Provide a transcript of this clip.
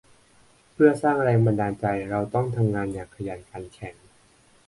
เพื่อสร้างแรงบันดาลใจเราต้องทำงานอย่างขยันขันแข็ง